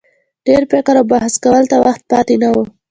ډېر فکر او بحث کولو ته وخت پاته نه وو.